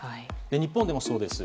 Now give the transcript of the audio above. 日本でもそうです。